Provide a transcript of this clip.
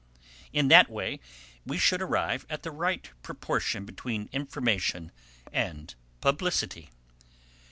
In that way we should arrive at the right proportion between 'information' and 'publicity.'"